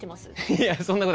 いやそんなことない。